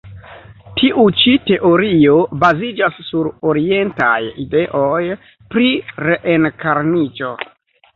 Tiu ĉi teorio baziĝas sur orientaj ideoj pri reenkarniĝo.